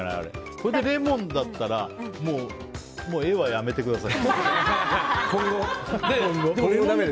これでレモンだったら絵はやめてください。